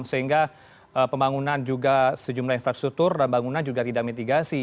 sehingga pembangunan juga sejumlah infrastruktur dan bangunan juga tidak mitigasi